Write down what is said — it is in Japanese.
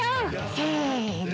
せの。